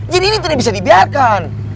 jadi ini tidak bisa dibiarkan